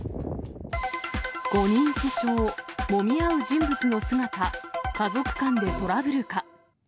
５人刺傷、もみ合う人物の姿、家族間でトラブルか。